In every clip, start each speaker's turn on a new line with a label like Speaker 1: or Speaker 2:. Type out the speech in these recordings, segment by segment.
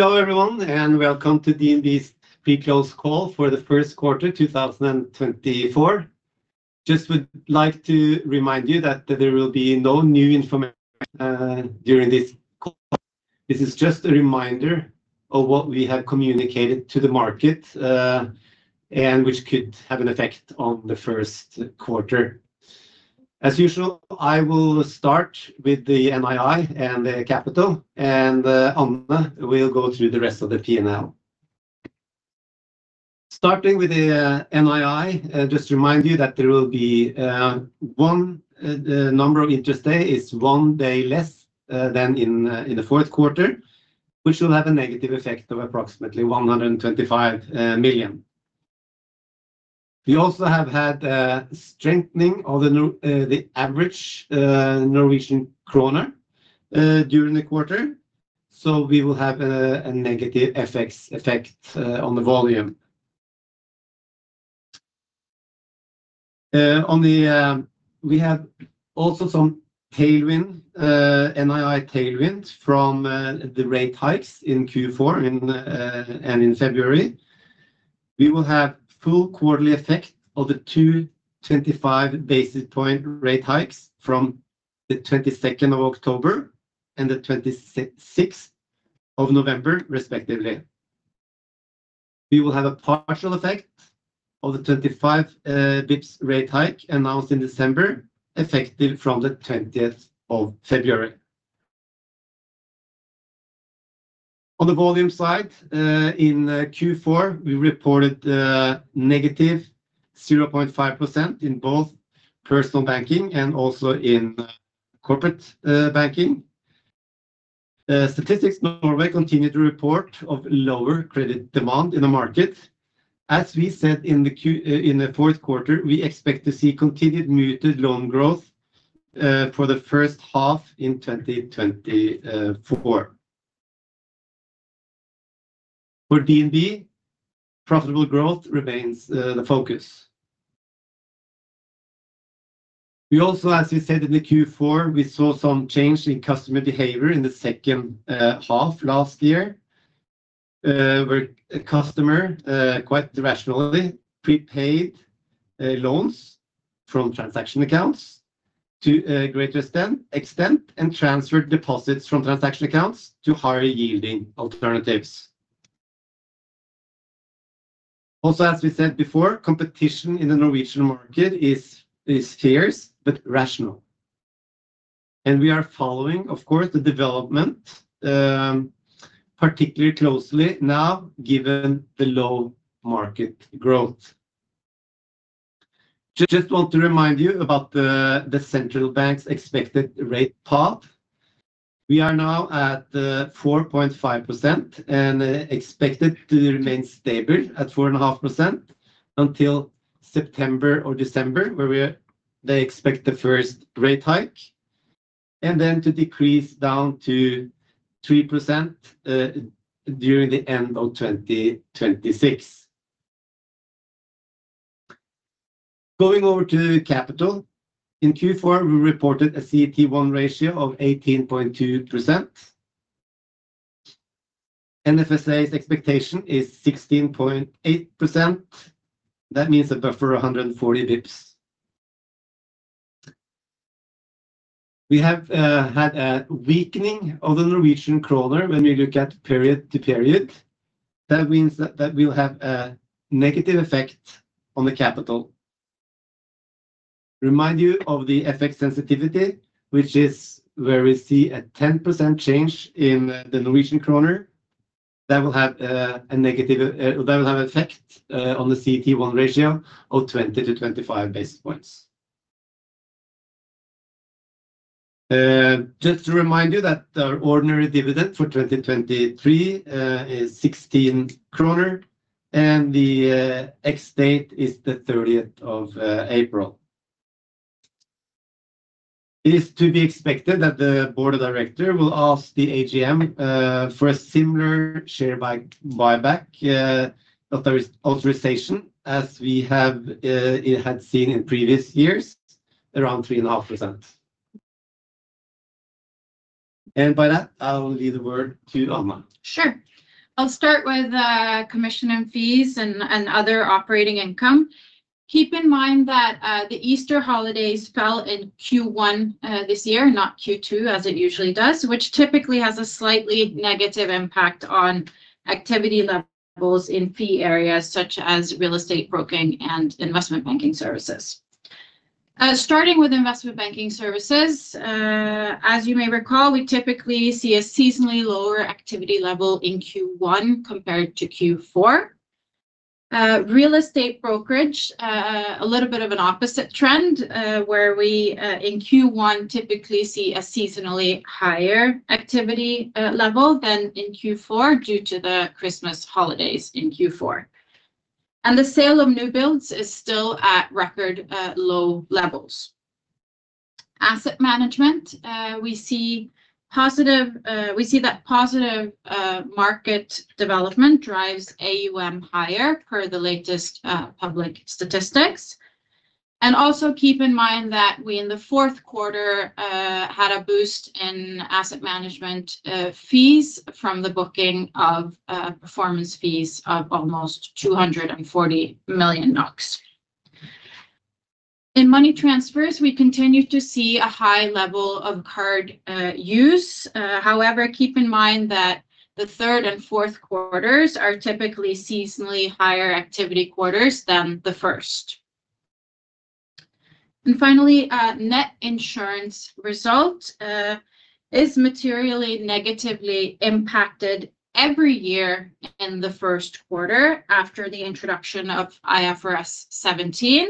Speaker 1: Hello, everyone, and welcome to DNB's pre-close call for the first quarter 2024. Just would like to remind you that there will be no new information during this call. This is just a reminder of what we have communicated to the market and which could have an effect on the first quarter. As usual, I will start with the NII and the capital, and Anne will go through the rest of the P&L. Starting with the NII, just remind you that there will be the number of interest days is one day less than in the fourth quarter, which will have a negative effect of approximately 125 million. We also have had a strengthening of the Norwegian kroner during the quarter, so we will have a negative effect on the volume. On the, we have also some tailwind NII tailwinds from the rate hikes in Q4 and in February. We will have full quarterly effect of the two 25 basis point rate hikes from the twenty-second of October and the twenty-sixth of November respectively. We will have a partial effect of the 25 bips rate hike announced in December, effective from the twentieth of February. On the volume side, in Q4, we reported negative 0.5% in both personal banking and also in corporate banking. Statistics Norway continued to report of lower credit demand in the market. As we said in the fourth quarter, we expect to see continued muted loan growth for the first half in 2024. For DNB, profitable growth remains the focus. We also, as we said in the Q4, we saw some change in customer behavior in the second half last year, where a customer quite rationally prepaid loans from transaction accounts to a greater extent and transferred deposits from transaction accounts to higher-yielding alternatives. Also, as we said before, competition in the Norwegian market is fierce, but rational. And we are following, of course, the development particularly closely now, given the low market growth. Just want to remind you about the central bank's expected rate path. We are now at 4.5% and expected to remain stable at 4.5% until September or December, where they expect the first rate hike, and then to decrease down to 3%, during the end of 2026. Going over to capital, in Q4, we reported a CET1 ratio of 18.2%. NFSA's expectation is 16.8%. That means a buffer of 140 basis points. We have had a weakening of the Norwegian kroner when we look at period-to-period. That means that, that will have a negative effect on the capital. Remind you of the FX sensitivity, which is where we see a 10% change in the Norwegian kroner. That will have a negative effect on the CET1 ratio of 20-25 basis points. Just to remind you that our ordinary dividend for 2023 is 16 kroner, and the ex-date is the 30th of April. It is to be expected that the board of directors will ask the AGM for a similar share buyback authorization, as we have had seen in previous years, around 3.5%. And by that, I will leave the word to Anne. Sure. I'll start with commission and fees and other operating income. Keep in mind that the Easter holidays fell in Q1 this year, not Q2, as it usually does, which typically has a slightly negative impact on activity levels in fee areas such as real estate brokerage and investment banking services. Starting with investment banking services, as you may recall, we typically see a seasonally lower activity level in Q1 compared to Q4. Real estate brokerage, a little bit of an opposite trend, where we in Q1 typically see a seasonally higher activity level than in Q4, due to the Christmas holidays in Q4. And the sale of new builds is still at record low levels. Asset management, we see positive, we see that positive market development drives AUM higher per the latest public statistics. And also keep in mind that we, in the fourth quarter, had a boost in asset management fees from the booking of performance fees of almost 240 million. In money transfers, we continue to see a high level of card use. However, keep in mind that the third and fourth quarters are typically seasonally higher activity quarters than the first. And finally, net insurance result is materially negatively impacted every year in the first quarter after the introduction of IFRS 17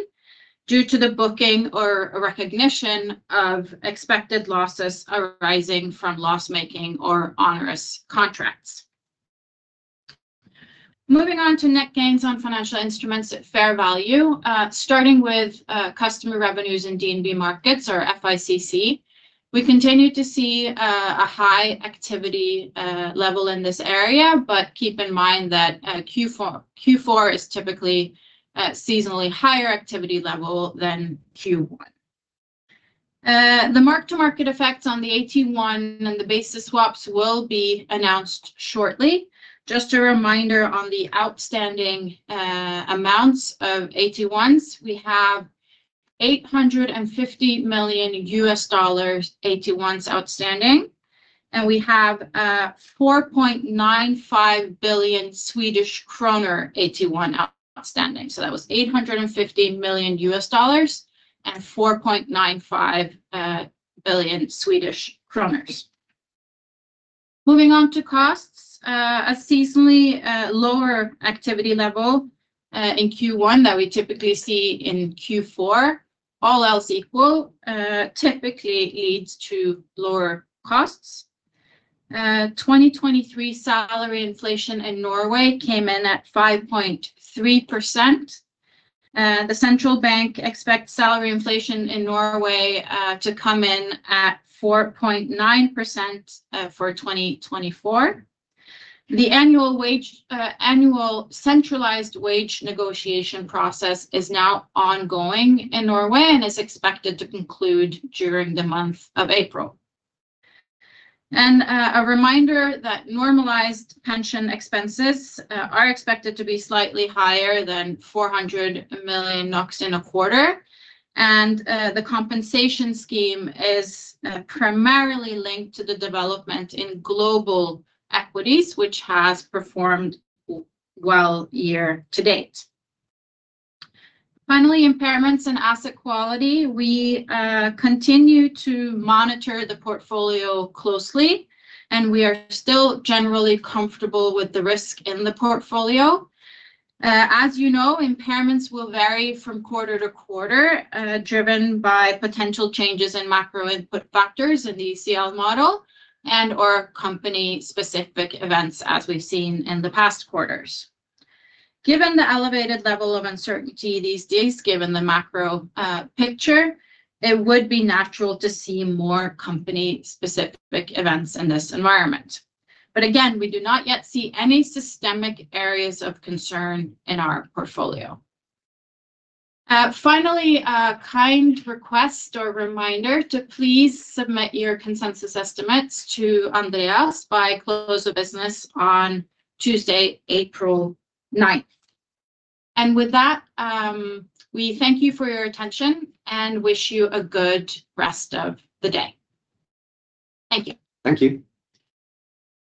Speaker 1: due to the booking or recognition of expected losses arising from loss-making or onerous contracts. Moving on to net gains on financial instruments at fair value. Starting with customer revenues in DNB Markets or FICC, we continue to see a high activity level in this area, but keep in mind that Q4 is typically a seasonally higher activity level than Q1. The mark-to-market effects on the AT1 and the basis swaps will be announced shortly. Just a reminder on the outstanding amounts of AT1s, we have $850 million AT1s outstanding, and we have 4.95 billion Swedish kronor AT1 outstanding. So that was $850 million and 4.95 billion Swedish kroners. Moving on to costs. A seasonally lower activity level in Q1 that we typically see in Q4, all else equal, typically leads to lower costs. 2023 salary inflation in Norway came in at 5.3%. The central bank expects salary inflation in Norway to come in at 4.9% for 2024. The annual centralized wage negotiation process is now ongoing in Norway and is expected to conclude during the month of April. A reminder that normalized pension expenses are expected to be slightly higher than 400 million NOK in a quarter. The compensation scheme is primarily linked to the development in global equities, which has performed well year to date. Finally, impairments in asset quality. We continue to monitor the portfolio closely, and we are still generally comfortable with the risk in the portfolio. As you know, impairments will vary from quarter to quarter, driven by potential changes in macro input factors in the ECL model and/or company-specific events, as we've seen in the past quarters. Given the elevated level of uncertainty these days, given the macro picture, it would be natural to see more company-specific events in this environment. But again, we do not yet see any systemic areas of concern in our portfolio. Finally, a kind request or reminder to please submit your consensus estimates to Andreas by close of business on Tuesday, April ninth. And with that, we thank you for your attention and wish you a good rest of the day. Thank you. Thank you.